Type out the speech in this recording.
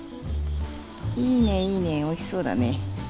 いいねいいねおいしそうだね。